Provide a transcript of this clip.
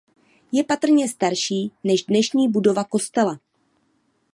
Je patrně starší než dnešní budova kostela.